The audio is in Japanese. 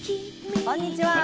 こんにちは。